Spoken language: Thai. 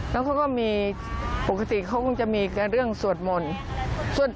แล้วเขาก็มีปกติเขาคงจะมีเรื่องสวดมนต์